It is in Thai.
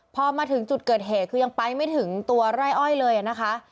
พอมาถึงจุดเกิดเหตุคือยังไปไม่ถึงตัวไร่อ้อยเลยนะคะ